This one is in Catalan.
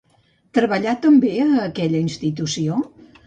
Treballà també a aquella institució?